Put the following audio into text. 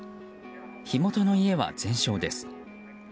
火元の家は全焼です。